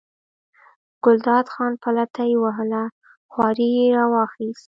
ګلداد خان پلتۍ ووهله، جواری یې راواخیست.